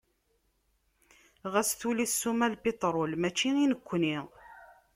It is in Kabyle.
Ɣas tuli ssuma n lpitrul, mačči i nekni.